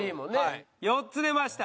４つ出ました。